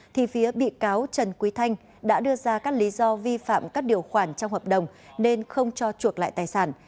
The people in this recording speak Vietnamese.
thì phía bị cáo trần quý thanh đã đưa ra các lý do vi phạm các điều khoản trong hợp đồng nên không cho chuộc lại tài sản